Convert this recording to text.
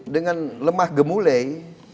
dengan lemah gemulai